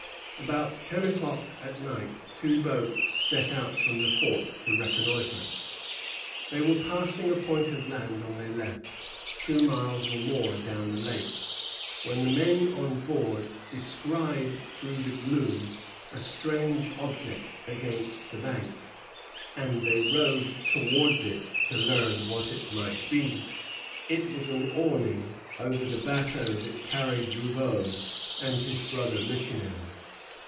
About ten o'clock at night two boats set out from the fort to reconnoitre. They were passing a point of land on their left, two miles or more down the lake, when the men on board descried through the gloom a strange object against the bank; and they rowed towards it to learn what it might be. It was an awning over the bateaux that carried Roubaud and his brother missionaries.